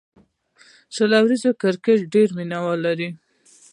شل اوریز کرکټ ډېر مینه وال لري.